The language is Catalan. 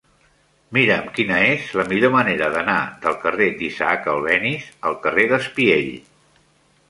Mira'm quina és la millor manera d'anar del carrer d'Isaac Albéniz al carrer d'Espiell.